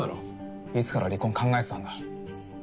いつから離婚を考えてたんだ？